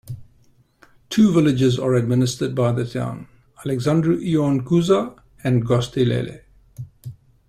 Two villages are administered by the town: Alexandru Ioan Cuza and Gostilele.